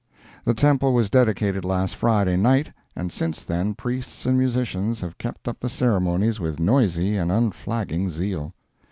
The temple was dedicated last Friday night, and since then priests and musicians have kept up the ceremonies with noisy and unflagging zeal.